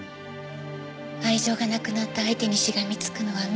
愛情がなくなった相手にしがみつくのは惨めですから。